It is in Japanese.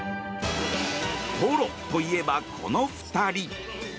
ポロといえば、この２人。